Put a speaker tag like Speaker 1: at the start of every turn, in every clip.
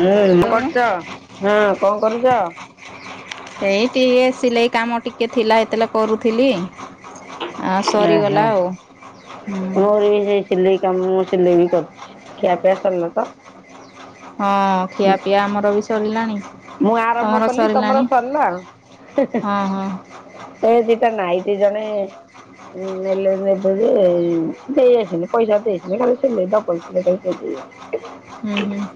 Speaker 1: ହେଁ କଣ କରୁଛ
Speaker 2: ଏଇ
Speaker 1: ହଁ କଣ କରୁଛ?
Speaker 2: ଏଇ ଟିକେ ସିଲେଇ କାମ ଟିକେ ଥିଲା ଏତେବେଳେ କରୁଥିଲି। ଆ
Speaker 1: ଓହୋ।
Speaker 2: ସରିଗଲା ଆଉ ହୁଁ।
Speaker 1: [unintelligible] ସିଲେଇ କାମ ମୁଁ ସିଲେଇ ବି କରୁଛି ଖିଆ ପିଆ ସରିନ ତ।
Speaker 2: ହଁ ଖିଆ ପିଆ ଆମର ବି ସରିଲାଣି।
Speaker 1: ମୁଁ ଆରମ୍ଭ
Speaker 2: ତମର
Speaker 1: କଲି ତମର
Speaker 2: ସରିଲାଣି
Speaker 1: ସରିଲା।
Speaker 2: ହଁ ହଁ।
Speaker 1: ଏ ଦିଟା ନାଇଟି ଜଣେ
Speaker 2: [inaudible]
Speaker 1: ନେଲେ ନେବେ
Speaker 2: [inaudible]
Speaker 1: ମଁ ଖାଲି ସେ [unintelligible]
Speaker 2: ହୁଁ ହୁଁ।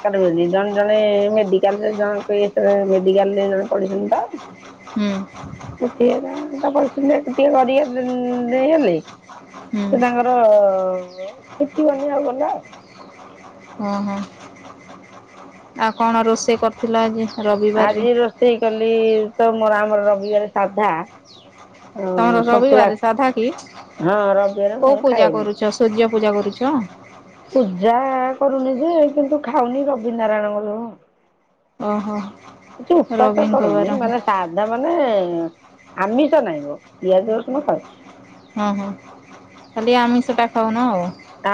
Speaker 1: ମେଡିକାଲ ରେ ଜଣେ ଜଣେ ମେଡିକାଲରେ ଜଣ ମେଡାଲରେ ଜଣେ ପଡିଛନ୍ତି ତ?
Speaker 2: ହୁଁ
Speaker 1: ସେଠି କରି ଟିକେ କରି ନେଇଗଲେ।
Speaker 2: ହୁଁ
Speaker 1: ସେ ତାଙ୍କର କିଛି ବନି ଆଉ ଗଲା ଆଉ। ହଁ
Speaker 2: ଓ ହୋ ଆଉ କଣ ରୋଷେଇ କରିଥିଲ ଆଜି? ରବିବାରରେ?
Speaker 1: ଆଜି ରୋଷେଇ କଲି ତ ମୋର ଆମର ରବିବାରେ ସାଧା। ଅ
Speaker 2: ତମର
Speaker 1: ସନ୍ତୁଳା
Speaker 2: ରବିବାରେ ସାଧା କି
Speaker 1: ହଁ ରବିବାର ମୁଁ
Speaker 2: କୋଉ ପୂଜା
Speaker 1: ଖାଏନି।
Speaker 2: କରୁଛ ସୂର୍ଯ୍ୟ ପୂଜା କରୁଛ?
Speaker 1: ପୂଜା କରୁନି ଯେ କିନ୍ତୁ ଖାଉନି ରବି ନାରାୟଣ ବୋଲି।
Speaker 2: ଓହୋ
Speaker 1: କିଛି ଉପାସ
Speaker 2: ରବିଙ୍କ ବାର
Speaker 1: କରନି ମାନେ ସା ଧା ମାନେ, ଆମିଷ ନାହିଁ ହୋ ପିଆଜ ରସୁଣ ଖାଉଛି।
Speaker 2: ହଁ- ହଁ ଖାଲି ଆମିଷଟା ଖାଉନ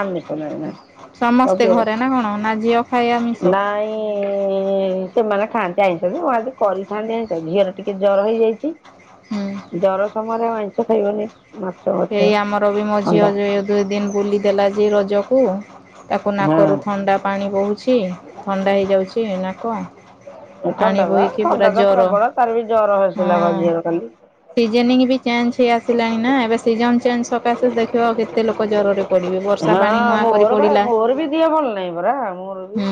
Speaker 1: ଆମିଷ ନାହିଁ ନା
Speaker 2: ସମସ୍ତେ
Speaker 1: ରବିବାର।
Speaker 2: ଘରେ ନା କଣ, ନା ଝିଅ ଖାଏ ଆମିଷ?
Speaker 1: [unintelligible] ସେମାନେ ଖାଆନ୍ତି ଆଇଁଷ ଯେ ମୁଁ ଆଜି କରିଥାନ୍ତି ଆଇଁଷ, ଝିଅର ଟିକେ ଜର ହେଇଯାଇଛି
Speaker 2: ହୁଁ।
Speaker 1: ଜର ସମୟରେ ଆଇଁଷ ଖାଇବନି। ମାଛ ମାଛ
Speaker 2: ସେଇ ଆମର ବି ମୋ ଝିଅ
Speaker 1: ଅଣ୍ଡା
Speaker 2: ଯ ଦୁଇ ଦିନ ବୁଲିଦେଲା ଯେ ରଜକୁ, ତାକୁ ନାକରୁ ଥଣ୍ଡା ପାଣି ବହୁଛି। ଥଣ୍ଡା ହେଇଯାଉଛି ନାକ ପାଣି
Speaker 1: ଥଣ୍ଡା ବା
Speaker 2: ବୋହିକି ପୁରା
Speaker 1: ଥଣ୍ଡା ତ
Speaker 2: ଜର
Speaker 1: ପ୍ରବଳ, କାଲିବି ଜର ହେଇଥିଲା ଝିଅର କାଲି।
Speaker 2: ସିଜେନିଂ ବି ଚେଞ୍ଜ ହେଇ ଆସିଲାଣି ନା, ଏବେ ସିଜନ ଚେଞ୍ଜ ସକାଶେ ଦେଖିବ କେତେ ଲୋକ ଜରରେ ପଡ଼ିବେ, ବର୍ଷା ପାଣି
Speaker 1: ହଁ
Speaker 2: ନୂଆ କରି
Speaker 1: ମୋର ବା
Speaker 2: ପଡିଲା
Speaker 1: ମୋର ବି ଦିହ ଭଲ ନାହିଁ ପରା ମୋର ବି
Speaker 2: ହୁଁ।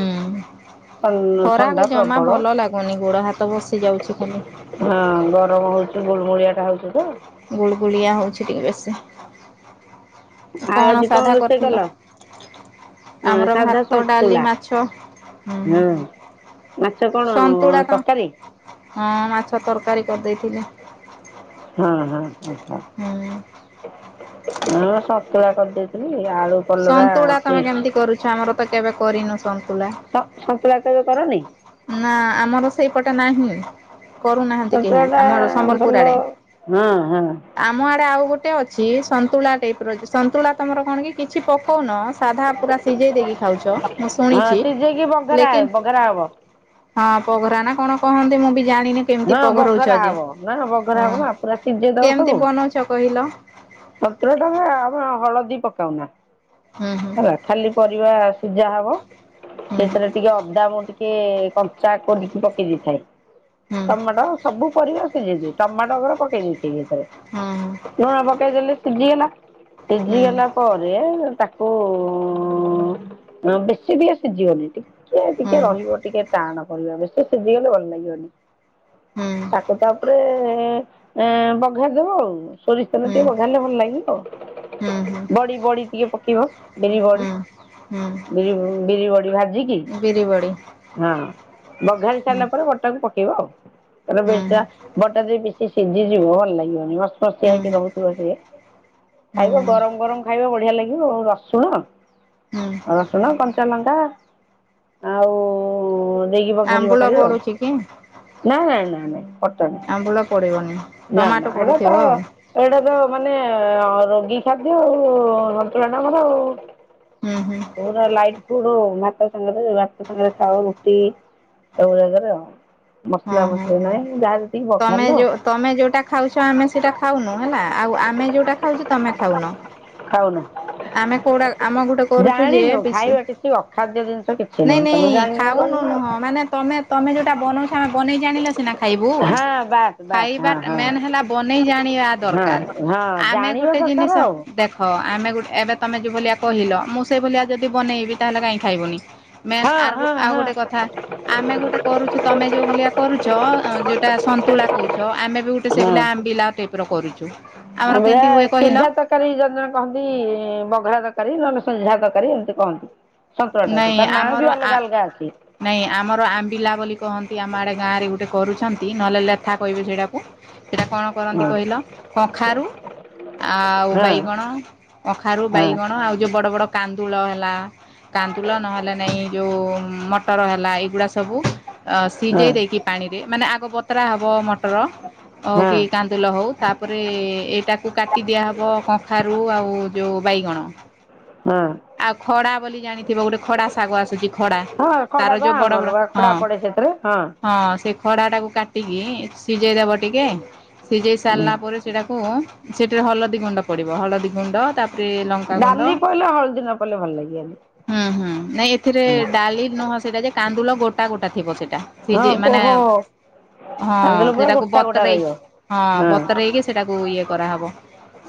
Speaker 1: ଥଣ୍ଡା
Speaker 2: ଖରାକୁ ଜମା
Speaker 1: ପ୍ରବଳ
Speaker 2: ଭଲ ଲାଗୁନି, ଗୋଡ଼ ହାତ ବସି ଯାଉଛି ଖାଲି।
Speaker 1: ହଁ ଗରମ ହଉଚି ଗୁଳଗୁଳିଆଟା ହଉଚି ତ।
Speaker 2: ଗୁଳଗୁଳିଆ ହଉଛି ଟିକେ ବେଶୀ।
Speaker 1: ଆଉ
Speaker 2: କଣ
Speaker 1: ଆଜି
Speaker 2: ସାଧା
Speaker 1: ରୋଷେଇ କଲ
Speaker 2: କରିଥିଲ?
Speaker 1: ହଁ
Speaker 2: ଆମର
Speaker 1: ସାଧା
Speaker 2: ଭାତ, ଡାଲି,
Speaker 1: ସନ୍ତୁଳା
Speaker 2: ମାଛ ହୁଁ- ହୁଁ।
Speaker 1: ହଁ ମାଛ କଣ
Speaker 2: ସନ୍ତୁଳା ତ
Speaker 1: ତରକାରୀ?
Speaker 2: ହଁ ମାଛ ତରକାରୀ କରିଦେଇଥିଲି।
Speaker 1: ହଁ- ହଁ- ହଁ- ହ
Speaker 2: ହୁଁ।
Speaker 1: ମୁଁ ସତୁଳା କରିଦେଇଥିଲି, ଆଳୁ କଲରା
Speaker 2: ସନ୍ତୁଳା ତମେ କେମିତି
Speaker 1: ଚିପ୍ସ
Speaker 2: କରୁଛ, ଆମର ତ କେବେ କରିନୁ ସନ୍ତୁଳା?
Speaker 1: ତ ସନ୍ତୁଳା କେବେ କରନେଇ?
Speaker 2: ନା ଆମର ସେଇପଟେ ନାହିଁ। କରୁନାହାନ୍ତି କେହି,
Speaker 1: ଛତୁଆ ଟା
Speaker 2: ଆମର ସମ୍ବଲପୁର
Speaker 1: ଭଲ
Speaker 2: ଆଡେ।
Speaker 1: ହଁ ହଁ
Speaker 2: ଆମ ଆଡେ ଆଉ ଗୋଟେ ଅଛି ସନ୍ତୁଳା ଟାଇପର, [unintelligible] ସନ୍ତୁଳା ତମର କଣ କି କିଛି ପକଉନ ସାଧା ପୁରା ସିଝେଇ ଦେଇକି ଖାଉଛ, ମୁଁ
Speaker 1: ହଁ
Speaker 2: ଶୁଣିଛି।
Speaker 1: ସିଝେଇକି
Speaker 2: ହେଲେ
Speaker 1: ବଘରା
Speaker 2: କେ
Speaker 1: ବଘରା ହବ।
Speaker 2: ହଁ ପଘରା ନା କଣ କହନ୍ତି ମୁଁ ବି ଜାଣିନି। କେମିତି
Speaker 1: ହଁ
Speaker 2: ପଘରଉଛ
Speaker 1: ବଘରା
Speaker 2: ଯେ,
Speaker 1: ହବ ନା ବଘରା
Speaker 2: ହଁ
Speaker 1: ହବ ନା ପୁରା ସିଝେଇ
Speaker 2: କେମିତି ବନଉଛ କହିଲ?
Speaker 1: ସନ୍ତୁଳା ଟା, ଆମେ ହଳଦୀ ପକାଉନା।
Speaker 2: ହୁଁ ହୁଁ
Speaker 1: ହେଲା ଖାଲି ପରିବା ସିଝା ହବ,
Speaker 2: ହୁଁ
Speaker 1: ସେଥିରେ ଟିକେ ଅଦା ମୁଁ ଟିକେ କ କଞ୍ଚା କୋରିକି ପକେଇ ଦେଇଥାଏ,
Speaker 2: ହୁଁ
Speaker 1: ଟମାଟ ସବୁ ପରିବା ସିଝେଇ ଦିଏ, ଟମାଟ [unintelligible] ପକେଇ ଦେଇେଥିବି ଭିତରେ।
Speaker 2: ହଁ।
Speaker 1: ଲୁଣ ପକେଇଦେଲି ସିଝିଗଲା,
Speaker 2: ହୁଁ
Speaker 1: ସିଝିଗଲା ପରେ ତା କୁ ବେଶୀ ଟିକେ ସିଝିିବନି, ଟିକେ
Speaker 2: ହୁଁ
Speaker 1: ଟିକେ
Speaker 2: ହୁଁ।
Speaker 1: ରହିବ ଟିକେ ଟାଣ କରିବା ବେଶି ସିଝିଗଲେ ଭଲ ଲାଗିବନି,
Speaker 2: ହୁଁ
Speaker 1: ତାକୁ ତାପରେ ଏଁ ବଘାରି ଦବ ଆଉ। ସୋରିଷତେଲ
Speaker 2: ହୁଁ
Speaker 1: ଟିକେ ବଘାରିଲେ ଭଲ ଲାଗିବ,
Speaker 2: ହୁଁ ହୁଁ
Speaker 1: ବଡି ବଡି ଟିକେ ପ କେଇବ ବିରି ବଡି,
Speaker 2: ହୁଁ
Speaker 1: ବି -ବିରି ବଡି ଭାଜିକି
Speaker 2: [unintelligible]
Speaker 1: ହଁ ବଘାରି
Speaker 2: ହୁଁ
Speaker 1: ସାଇଲା ପରେ ବଡି ଟାକୁ ପକେଇବ ଆଉ [unintelligible] ବଡି ଟା
Speaker 2: ହୁଁ
Speaker 1: ଯଦି ବେଶି ସିଝିଯିବ ଭଲ ଲାଗିବନି। କସିଆ ଯାକେ
Speaker 2: ହୁଁ
Speaker 1: ରହୁଥିବ ସିଏ, ଖାଇବ ଗରମ ଗରମ ଖାଇବ ବଢିଆ ଲାଗ ଗିବ, ରସୁଣ ରସୁଣ କ କଞ୍ଚା ଲଙ୍କା ଆଉ ଦେଇକି ବଘାରିବ।
Speaker 2: ଆମ୍ବୁଳ
Speaker 1: [unintelligible]
Speaker 2: ପଡୁଛି କି
Speaker 1: ନା- ନା- ନା- ନାଇଁ କଟା ନାହିଁ,
Speaker 2: ଆମ୍ବୁଳ ପଡିବନି
Speaker 1: ନା ନା
Speaker 2: ଟମାଟୋ
Speaker 1: ଏବେ ତ
Speaker 2: ପଡୁଥିବ ଆଉ
Speaker 1: ଏଇଟା ତ ମାନେ ରୋଗୀ ଖାଦ୍ୟ, ଆଉ ସନ୍ତୁଳାଟା ଆମର ଆଉ।
Speaker 2: ହୁଁ- ହୁଁ।
Speaker 1: ପୁରା ଲାଇଟ ଫୁଡ ଆଉ ମାତା ସାଙ୍ଗରେ ବାପ ସାଙ୍ଗରେ, ଖାଅ ରୁଟି ସବୁ ଜାଗାରେ ଆଉ।
Speaker 2: ହଁ ହଁ।
Speaker 1: ନାଇଁ ଯାଥିବ।
Speaker 2: ତମେ ଯୋଉ ଯୋଉଟା ଖାଉଛ ଆମେ ସେଇଟା ଖାଉନୁ ହେଲା ଆଉ ଆମେ ଯୋଉଟା ଖାଉଛୁ ତମେ ସେଇଟା ଖାଉନ।
Speaker 1: ଖାଉନା।
Speaker 2: ଆମେ କୋଉଡା ଆମ ଗୋଟେ କରୁଛୁ ଯ ପିସୁ
Speaker 1: ଖାଇବା କିଛି ଅଖାଦ୍ୟ ଜିନିଷ କିଛି
Speaker 2: ନାଇଁ
Speaker 1: ନୁହଁ ତମେ
Speaker 2: ନାଇଁ।
Speaker 1: ଜାଣିନ
Speaker 2: ଖାଉନୁ
Speaker 1: କରିନ।
Speaker 2: ନୁହଁ ମାନେ ତମେ ତମେ ଯେଉଁଟା ବନଉଛ। ଆମେ ବନେଇ ଜାଣିଲ ସିନା ଖାଇବୁ
Speaker 1: ହଁ ବାସ୍ ବାସ୍
Speaker 2: ଖାଇବା
Speaker 1: ହଁ ହଁ।
Speaker 2: ମେନ୍ ହେଲା ବନେଇ ଜାଣିବା
Speaker 1: ହଁ
Speaker 2: ଦରକାର।
Speaker 1: ହଁ
Speaker 2: ଆମେ
Speaker 1: ଜାଣିବା
Speaker 2: ଗୋଟେ
Speaker 1: ଦରକାର
Speaker 2: ଜିନିଷ
Speaker 1: ଆଉ।
Speaker 2: ଦେଖ ହଁ ଆମେ ଗୋଟେ ଏବେ ତୁମେ ଯେଉଁ ଭଳିଆ କହିଲ ମୁଁ ସେଇଭଳିଆ ଯଦି ବନେଇବି ତାହେଲେ କାହିଁ ଖାଇବୁନି। ମେନ୍
Speaker 1: ହଁ
Speaker 2: ଆ
Speaker 1: ହଁ
Speaker 2: ଆଉ
Speaker 1: ହଁ।
Speaker 2: ଗୋଟେ କଥା ଆମେ ଗୋଟେ କରୁଛୁ ତମେ ଯୋଉ ଭଳିଆ କରୁଛ ଯୋଉଟା ସନ୍ତୁଳା କହୁଛ ଆମେ ବି ଗୋଟେ ସେଭଆ ଆମ୍ବିଲା ଟାଇପି ର କରୁଛୁ।
Speaker 1: ଆମର
Speaker 2: କେମିତି ହୁଏ କହିଲ
Speaker 1: ଶିଯାକ ତରକାରୀ ଜଣେ ଜଣେ କହନ୍ତି ବଘରା ଦରକାରୀ ନହେଲେ ସଝା ଦରକାରୀ ଏମିତି କହନ୍ତି। ସତରାଟାକୁ
Speaker 2: ନାଇଁ
Speaker 1: ତାର ନାଁ
Speaker 2: ଆମର
Speaker 1: ବି
Speaker 2: ଆ
Speaker 1: ଅଲଗା ଅଲଗା ଅଛି।
Speaker 2: ନାଇଁ ଆମର ଆମ୍ବିଲା ବୋଲି କହନ୍ତି ଆମ ଆଡେ ଗାଁରେ ଗୋଟେ କରୁଛନ୍ତି ନହେଲେ ଲେଥା କହିବେ ସେଇଟାକୁ। ସେଇଟା କଣ
Speaker 1: ହଁ
Speaker 2: କରନ୍ତି କହିଲ କଖାରୁ ଆଉ
Speaker 1: ହଁ
Speaker 2: ବାଇଗଣ ଅଖାରୁ
Speaker 1: ହଁ
Speaker 2: ବାଇଗଣ ଆଉ ଯୋଉ ବଡ ବଡ କାନ୍ଦୁଳ ହେଲା କାନ୍ଦୁଳ ନହେଲେ ନାହିଁ ଯେଉଁ ମ ହେ ଏଗୁଡା ସବୁ
Speaker 1: ହଁ।
Speaker 2: ସିଝେଇ ଦେଇକି ପାଣିରେ ମାନେ ଆଗ ବତିରା ହବ। ର ଆଉ
Speaker 1: ହଁ
Speaker 2: କି। ତେଲ ହଉ ତାପରେ ଏଇଟାକୁ କାଟି ଦିଆହବ କଖାରୁ ଆଉ ଯଉଁ ବାଇଗଣ।
Speaker 1: ହଁ।
Speaker 2: ଆଉ ଖଡା ବୋଲି ଜାଣିଥିବ ଗୋଟେ ଖଡା ଶାଗ ଆସୁଛି ଖଡା
Speaker 1: ହଁ ଖଡା
Speaker 2: ତାର
Speaker 1: ବା
Speaker 2: ଯୋଉ ବଡ
Speaker 1: ଆମର
Speaker 2: ବଡ
Speaker 1: ବା
Speaker 2: ହଁ।
Speaker 1: ଖଡା ପଡେ ସେଥିରେ
Speaker 2: ହଁ ସେ ଖଡା ଟାକୁ କାଟିକି ସିଝେଇ ଦବ ଟିକେ ସିଝେଇ ସାରିଲା ପରେ ସେଟାକୁ ସେଠରେ ହଳଦୀ ଗୁଣ୍ଡ ପଡିବ ହଳଦୀ ଗୁଣ୍ଡ ତା
Speaker 1: ଡାଲି ପଇଲେ ହଳଦୀ ନ ପଡ଼ଲେ ଭଲ ଲାଗିଗନି।
Speaker 2: ହୁଁ ହୁଁ ନାଇଁ ଏଥିରେ ଡାଲି ନୁହଁ ସେଇଟା ଯେ କାନ୍ଦୁଲ ଗୋଟା ଗୋଟା ଥିବ ସେଇଟା।
Speaker 1: ହଁ
Speaker 2: ସିଝେଇ ମାନେ
Speaker 1: କହ?
Speaker 2: ହଁ ସେଟାକୁ ବତୁରେଇ ହଁ ବତରଇକି ସେଇଟାକୁ ଇଏ କରାହେବ।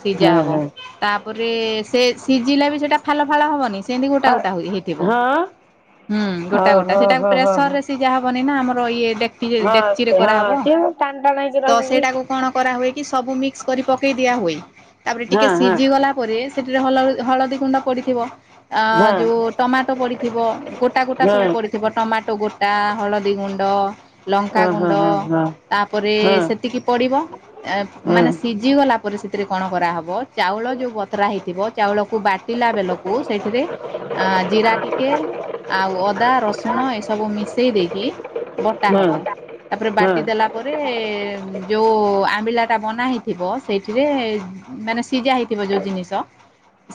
Speaker 2: ସିଝା
Speaker 1: ହଁ
Speaker 2: ହବ
Speaker 1: ହଁ
Speaker 2: ତାପରେ ସେ ସିଝିଲା ବି ସେଟା ଫାଲ ଫାଳ ହବନି। ସେଇ ଗୋଟା ଗୋଟା ହେଇଥିବ।
Speaker 1: ହଁ।
Speaker 2: ହୁଁ ଗୋଟା ଗୋଟା
Speaker 1: ଓହୋ
Speaker 2: ସେଇଟା
Speaker 1: ହୋ ହୋ
Speaker 2: ପ୍ରେସର
Speaker 1: ହୋ
Speaker 2: ରେି ଯା ହବନି ନା ଆମର ଇ
Speaker 1: ହଁ ସେ
Speaker 2: ଡେକ୍ଚିରେ
Speaker 1: ହଁ
Speaker 2: କରାହବ।
Speaker 1: ସିଏ ମୁଁ ଟଣ୍ଡା ନାଇକି
Speaker 2: ତ
Speaker 1: ରହିବି।
Speaker 2: ସେଇଟାକୁ କଣ କରା ହୁଏ କି ସବୁ ମିକ୍ସ କରି ପକେଇ ଦିଆ ହୁଏ ତାପରେ
Speaker 1: ହଁ
Speaker 2: ଟିକେ
Speaker 1: ହଁ
Speaker 2: ସିଝି ଗଲା ପରେ ସେଠରେ ହଳଦୀ ଗୁଣ୍ଡ ପଡିଥିବ। ଆ
Speaker 1: ହଁ
Speaker 2: ଯୋଉ ଟମାଟୋ ପଡିଥିବ ଗୋଟା ଗୋଟା
Speaker 1: ହଁ
Speaker 2: ସବୁ ପଡିିବ। ଥିବ ଟମାଟୋ ଗୋଟା ହଳଦୀ ଗୁଣ୍ଡ
Speaker 1: ଓ
Speaker 2: ଲଙ୍କା
Speaker 1: ହଁ
Speaker 2: ଗୁଣ୍ଡ
Speaker 1: ହଁ ହଁ
Speaker 2: ତାପରେ
Speaker 1: ହଁ ହଁ ହଁ
Speaker 2: ସେତିକି ପଡିବ
Speaker 1: ହଁ ହଁ
Speaker 2: ମାନେ ଭୁଜିଗଲା ପରେ ସେଥିରେ କଣ କରାହବ ଚାଉଳ ଯେଉ ବତୁରା ହେଇଥିବ ଚାଉଳକୁ ପିଲା ବେଲକୁ ସେଥିରେ ଜିରା ଟିକେ ଆଉ ଅଦା ରସୁଣ ଏସବୁ ମିସେଇ ଦେଇକି ବଟା ହବ
Speaker 1: ହଁ
Speaker 2: ତାପରେ ବାଟି ଦେ ପରେ ଯେଉଁ ଆମ୍ବିଲାଟା ବନା ହେଇଥିବ ସେଇଥିରେ ମାନେ ସିଝା ହୋଇଇଥିବ ଯେଉଁ ଜିନିଷ।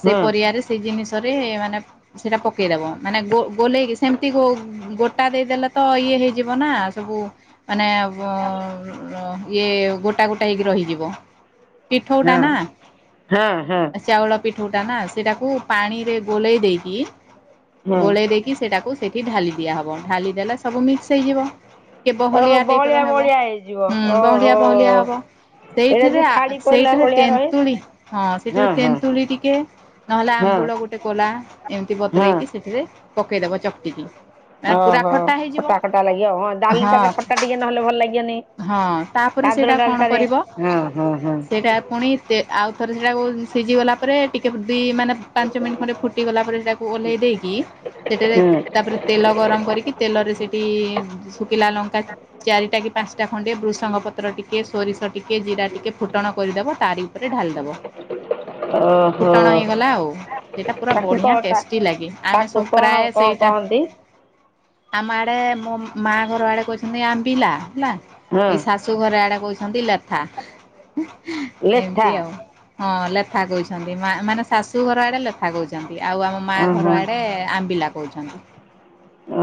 Speaker 1: ହୁଁ।
Speaker 2: ପରିବାରେ ସେ ଜିନିଷରେ ମାନେ ସେଟା ପକେଇଦବ ମାନେ ଗୋଲେଇକି ସେମିତି ଗୋ ଗୋଟା ଦେଇଦେଲେ ତ ଇଏ ହେଇଯିବ ନା ସବୁ ମାନେ ଇଏ ଗୋଟା ଗୋଟା ହେଇକି ରହିଯିବ। ପିଠଉଟା
Speaker 1: ହଁ
Speaker 2: ନା
Speaker 1: ହଁ
Speaker 2: ଚାଉଳ ପିଠୋଉ ଟା ନା ସେଟାକୁ ପାଣିରେ ଗୋଳେଇ ଦେଇକି
Speaker 1: ହଁ
Speaker 2: ଗୋଳେଇ ଦେଇକି ସେଟାକୁ ସେ ଢାଲି ଦିଆହବ ଢାଲି ଦେଲେ ସବୁ ମିକ୍ସ ହେଇଯିବ। ଟିକେ
Speaker 1: ଓହୋ
Speaker 2: ବହଳିଆ ଟାଇପ ର ହବ।
Speaker 1: ବହଳିଆ ହେଇଯିବ
Speaker 2: ହୁଁ
Speaker 1: ଓହୋ
Speaker 2: ବହଳିଆ ବହଳିଆ ହବ।
Speaker 1: ଏଇଟା
Speaker 2: ସେଇଥିରେ
Speaker 1: ଯୋଉ
Speaker 2: ଆ
Speaker 1: ଛାଡି ପଡିଲା
Speaker 2: ସେଇଥିରେ
Speaker 1: ଭଳିଆ ରହେ
Speaker 2: ତେନ୍ତୁଳି ହଁ ସେଇଠିରେ ତେନ୍ତୁଳି ଟିକେ ନହେଲେ
Speaker 1: ହଁ
Speaker 2: ଆମ୍ବୁଳ ଗୋଟେ କୋଲା ଏମିତି
Speaker 1: ହଁ
Speaker 2: ବତରେଇକି ସେଥିରେ ପକେଇଦବ ଚକଟିିକି।
Speaker 1: ଓହୋ ଖଟା ଖଟା ଲାଗିବ। ହଁ ଡାଲି ଟାରେ ଖଟା ଟିକେ ନହେଲେ ଭଲ ଲାଗିବନି।
Speaker 2: ହଁ ତାପରେ
Speaker 1: କାଦୁଅ
Speaker 2: ସେଇଟା କଣ
Speaker 1: ଡାଲିଟାରେ
Speaker 2: କରିବ,
Speaker 1: ହଁ ହଁ ହଁ
Speaker 2: ସେଇଟା ପୁଣି ଆଉଥରେ ସେଇଟାକୁ ସିଝିଗଲା ପରେ ଟିକେ ଦୁଇ ମାନେ ପାଞ୍ଚ ମିନିଟ୍ ଖଣ୍ଡେ ଫୁଟି ଗଲା ପରେ ସେଟାକୁ ଓହ୍ଲେଇ ଦେଇକି ସେଠାରେ
Speaker 1: ହଁ
Speaker 2: ତାପରେ ତେଲ ଗରମ କରିକି ତେଲରେ ସେଇଠି ଶୁଖିଲା ଲଙ୍କା ଚାରିଟା କି ପାଞ୍ଚଟା ଖଣ୍ଡେ ଭୃଷଙ୍ଗ ପତ୍ର ଟିକେ ସୋରିଷ ଟିକେ ଜିରା ଟିକେ ଫୁଟଣ କରିଦବ ତାରି ଉପରେ ଢାଳିଦବ।
Speaker 1: [unintelligible] ହଁ
Speaker 2: ଫୁଟଣ ହେଇଗଲା ଆଉ ସେଇଟା ପୁରା
Speaker 1: ତାକୁ
Speaker 2: ବଢ଼ିଆ
Speaker 1: କଣ ତା
Speaker 2: ଟେଷ୍ଟି ଲାଗେ ଆମେ
Speaker 1: ତାକୁ
Speaker 2: ସବୁ
Speaker 1: କଣ
Speaker 2: ପ୍ରାୟ
Speaker 1: କଣ
Speaker 2: ସେଇଟା
Speaker 1: କହନ୍ତି? [inaudible]
Speaker 2: ଆମ ଆଡେ ମୋ ମା ଘର ଆଡେ କହିଛନ୍ତି ଆମ୍ବିଲା ହେଲା।
Speaker 1: ହଁ
Speaker 2: ଏଇ ଶାଶ ଶୁ ଘର ଆଡେ କହୁଛନ୍ତି ଲେଥା
Speaker 1: ଲେଥା
Speaker 2: ଏମତି ଆଉ। ହଁ ଲେଥା କହୁଛନ୍ତି ମାନେ ଶାଶୁ ଘର ଆଡେ ଲେଥା କହୁଛନ୍ତି। ଆଉ ଆମ ମା
Speaker 1: ଓହୋ।
Speaker 2: ଘର ଆଡ଼େ ଆମ୍ବିଲା କହୁଛନ୍ତି।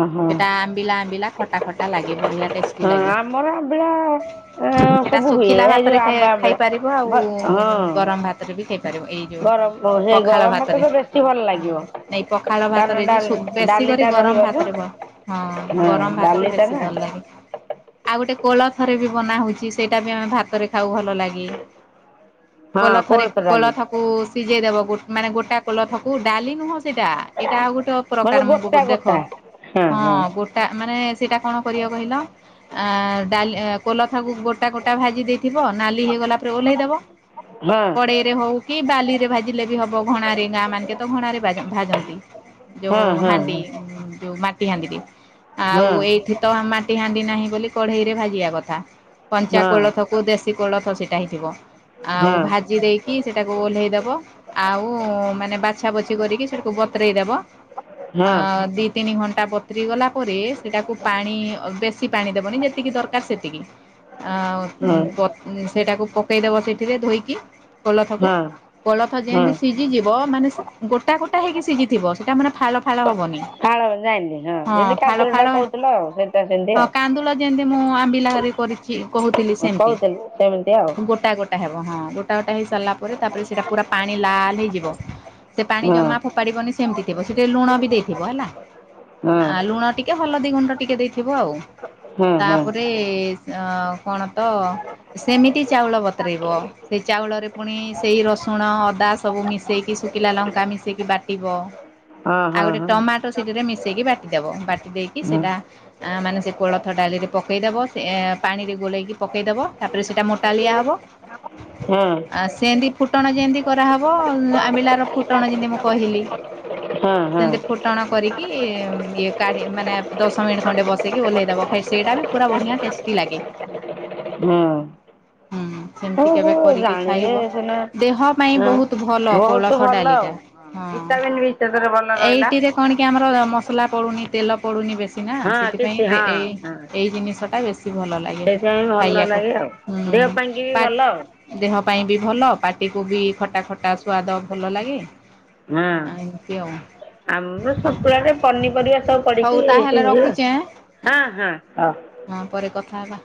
Speaker 1: ଓହୋ
Speaker 2: ସେଟା ଆମ୍ବିଲା ଆମ୍ବିଲା ଖଟା ଖଟା ଲାଗେ ବଢିଆ ଟେଷ୍ଟି
Speaker 1: ହଁ
Speaker 2: ଲାଗେ।
Speaker 1: ଆମର ଆମ୍ବିଳା ଏଁ
Speaker 2: ସେରା
Speaker 1: ସବୁ ହୁଏ
Speaker 2: ଶୁଖିଲା
Speaker 1: ଏଇ ଯୋଉ
Speaker 2: ଭାତରେ
Speaker 1: ଆମ୍ବ ଆମ୍ବିଳା।
Speaker 2: ଖାଇପାରିବ ଆଉ
Speaker 1: ଭ ହଁ
Speaker 2: ଗରମ ଭାତରେ ବି ଖାଇପାରିବ। ଏଇ
Speaker 1: ଗରମ ସେ
Speaker 2: ପଖାଳ
Speaker 1: ଗରମ ଭାତ
Speaker 2: ଭାତରେ
Speaker 1: ତ ବେଶୀ ଭଲ ଲାଗିବ।
Speaker 2: ହେଇ ପଖାଳ
Speaker 1: କାରଣ
Speaker 2: ଭାତରେ ବି ସୁ
Speaker 1: ଡାଲି
Speaker 2: ବେଶୀ କରି
Speaker 1: ଡାଲିଟା ରହିବ
Speaker 2: ଗରମ
Speaker 1: ତ।
Speaker 2: ଭାତରେ ହଁ ଗରମ ଭାତ ରେ ବେଶୀ ଭଲ ଲାଗେ।
Speaker 1: [inaudible]
Speaker 2: ଆଉ ଗୋଟେ କୋଳଥରେ ବି ବନା ହଉଚି ସେଇଟା ବି ଆମେ ଭାତରେ ଖାଉ ଭଲ ଲାଗେ।
Speaker 1: ହଁ
Speaker 2: କୋଲଥରେ
Speaker 1: କୋଳଥ ଡାଲି
Speaker 2: କୋଳଥକୁ ସିଝେଇଦବ ଗୋ ମାନେ ଗୋଟା କୋଲଥକୁ ଡାଲି ନୁହଁ ସେଇଟା ଏଇଟା ଆଉ ଗୋଟେ
Speaker 1: ମାନେ
Speaker 2: ପ୍ରକାର
Speaker 1: ଗୋଟା
Speaker 2: ମୁଁ
Speaker 1: ଗୋଟା।
Speaker 2: ଦେଖ ହଁ ଗୋଟା ମାନେ ସେଇଟା କଣ କରିବ କହିଲ ଆ ଡାଲି କୋଲଥକୁ ଗୋଟା ଗୋଟା ଭାଜି ଦେଇଥିବ ନାଲି ହେଇଗଲା ପରେ ଓହ୍ଲେଇଦବ।
Speaker 1: ହଁ
Speaker 2: କଡେଇରେ ହଉ କି ବାଲିରେ ଭାଜିଲେ ବି ହବ ଘଣାରେ ଗାଁ ମାନଙ୍କେ ତ ଘଣାରେ ଭାଜନ୍ତି। ଯୋଉ
Speaker 1: ହଁ ହଁ
Speaker 2: ହାଣ୍ଡି ଯୋଉ ମା ଆଉ
Speaker 1: ହଁ
Speaker 2: ଏଇଠି ତ ମାଟି ହାଣ୍ଡି ନାହିଁ ବୋଲି କଢେଇରେ ଭାଜିବା କଥା। କଞ୍ଚା
Speaker 1: ହଁ
Speaker 2: କୋଳଥକୁ ଦେଶୀ କୋଳଥ ସେଇଟା ହେଇଥିବ। ଆଉ
Speaker 1: ହଁ
Speaker 2: ଭାଜି ଦେଇକି ସେଟାକୁ ଓହ୍ଲେଇ ଦବ। ଆଉ ମାନେ ବାଛା ବଛି କରିକି ସେଠକୁ ବତରେଇଦବ।
Speaker 1: ହଁ
Speaker 2: ଅ
Speaker 1: ହଁ
Speaker 2: ଦି ତିନି ଘଣ୍ଟା ବତରି ଗଲା ପରେ ସେଇଟାକୁ ପାଣି ବେଶୀ ପାଣି ଦେବନି ଯେତିକି ଦରକାର ସେତିକି। ଆଉ
Speaker 1: ହଁ।
Speaker 2: ବ ସେଇଟାକୁ ପକେଇଦବ ସେଠିରେ ଧୋଇକି କୋଳଥକୁ।
Speaker 1: ହଁ
Speaker 2: କୋଳଥ
Speaker 1: ହଁ
Speaker 2: ଯେମତି ସି ସିଝିଯିବ ମାନେ ଗୋଟା ଗୋଟା ହେଇକି ସିଝିଥିବ ସେଇଟା ମାନେ ଫାଳ ଫାଳ ହବନି।
Speaker 1: ଫାଳ ଯାଇଁଲି।
Speaker 2: ହଁ ଫାଳ ଫାଳ
Speaker 1: ସେମିତି
Speaker 2: ହଁ
Speaker 1: ଆଉ
Speaker 2: କାନ୍ଦୁଲ ଯେମିତି ମୁଁ ଆମ୍ବିଲା ହେରା କରି କହୁଥିଲି ସେମିତି।
Speaker 1: କହୁଥିଲି ସେମିତି ଆଉ
Speaker 2: ଗୋଟା ଗୋ ଟା ହବ ହଁ। ଗୋଟା ଗୋଟା ହେଇ ସାରିଲା ପରେ ତାପରେ ସେଟା ପା ପାଣି ଲାଲ୍ ହେଇଯିବ। ସେ ପାଣି
Speaker 1: ହଁ
Speaker 2: ଜମା ଫୋପାଡ଼ିବନି ସେମିତି ଥିବ। ସେ ଟିକେ ଲୁଣ ବି ଦେଇଥିବ ହେଲା। ଆ ଲୁଣ ଟିକେ ହଲଦୀ ଗୁଣ୍ଡ ଟିକେ ଦେଇଥିବ ଆଉ।
Speaker 1: ହଁ ହଁ
Speaker 2: ତାପରେ କଣ ତ ସେମିତି ଚାଉଳ ବତରେଇବ। ସେ ଚାଉଳରେ ପୁଣି ସେଇ ରସୁଣ ଅଦା ସବୁ ମିଶେଇକି ଶୁଖିଲା ଲଙ୍କା ମିଶେଇକି ବାଟିବ।
Speaker 1: ହଁ ହଁ
Speaker 2: ଆଉ
Speaker 1: ହଁ
Speaker 2: ଗୋଟେ
Speaker 1: ହଁ
Speaker 2: ଟମାଟୋ ସେଠିରେ ମିଶେଇକି ବାଟିଦବ। ବାଟି ଦେଇକି
Speaker 1: ହଁ
Speaker 2: ସେଟା ମାନେ ସେ କୋଳଥ ଡାଲିରେ ପକାଇଦେବ। ସେ ପାଣିରେ ଗୋଲେଇକି ପକେଇଦେବ ତାପରେ ସେଇଟା ମୋଟାଳିଆ ହେବ।
Speaker 1: ହୁଁ।
Speaker 2: ଆ ସେନ୍ତି ଫୁଟଣ ଯେମିତି କରାହେବ ଆମ୍ବିଲାର ଫୁଟଣ ଯେମିତି ମୁଁ କହିଲି।
Speaker 1: ହଁ।
Speaker 2: ସେମତି ଫୋଟଣ କରିକି ଇଏ କାଢ଼ି ମାନେ ଦଶ ମିନିଟ୍ ଖଣ୍ଡେ ବସେଇକି ଓଲ୍ହେଇ ଦେବ ଖାଇ ସେଇଟା ବି ପୁରା ବଢ଼ିଆ ଟେଷ୍ଟି ଲାଗେ।
Speaker 1: ହୁଁ।
Speaker 2: ହୁଁ ସେମିତି କେବେ କରିକି
Speaker 1: ଜାଣିଲେ
Speaker 2: ଖାଇବ
Speaker 1: ସିନା
Speaker 2: ଦେହ ପାଇଁ
Speaker 1: ହଁ
Speaker 2: ବହୁତ ଭଲ
Speaker 1: ବହୁତ
Speaker 2: କୋଳଥ
Speaker 1: ଭଲ
Speaker 2: ଡାଲି ଟା
Speaker 1: ଆଉ ଭିଟାମିନ୍ ବି ସେଥିରେ ଭଲ
Speaker 2: ହଁ
Speaker 1: ରହିଲା
Speaker 2: ଏଇଠରେ କଣ କି ଆମର ମସଲା ପଡ଼ୁନି ତେଲ ପଡ଼ୁନି ବେଶୀ ନା
Speaker 1: ହଁ କିଛି
Speaker 2: ସେଥିପାଇଁ
Speaker 1: ହଁ
Speaker 2: ଏ
Speaker 1: ହଁ
Speaker 2: ଏଇ ଜିନିଷଟା ବେଶୀ ଭଲ ଲାଗେ
Speaker 1: ସେଇଥିପାଇଁ ଭଲ
Speaker 2: ଖାଇବାକୁ।
Speaker 1: ଲାଗେ ଆଉ
Speaker 2: ହୁଁ
Speaker 1: ଦେହ ପାଇଁକିବି
Speaker 2: ପା
Speaker 1: ଭଲ ଆଉ।
Speaker 2: ଦେହ ପାଇଁ ବି ଭଲ ପାଟିକୁ ବି ଖଟା ଖଟା ସ୍ୱାଦ ଭଲ ଲାଗେ।
Speaker 1: ହଁ
Speaker 2: ଆଇଁ ତି
Speaker 1: ଆମର
Speaker 2: ଆଉ।
Speaker 1: ସନ୍ତୁଳାରେ ପନିପରିବା ସବୁ
Speaker 2: ହଉ
Speaker 1: ପଡିକି
Speaker 2: ତାହେଲେ ରଖୁଛି ଆଁ
Speaker 1: ହଁ ହଁ ହ।
Speaker 2: ହଁ ପରେ କଥା ହେବା।